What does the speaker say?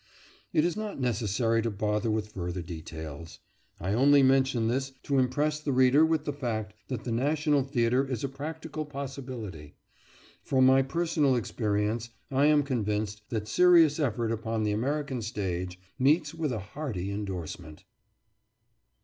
It is not necessary to bother with further details; I only mention this to impress the reader with the fact that the national theatre is a practical possibility. From my personal experience I am convinced that serious effort upon the American stage meets with a hearty endorsement.